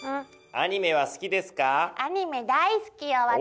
アニメ大好きよ私。